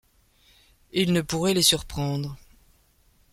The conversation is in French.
il ne pourrait les surprendre. ..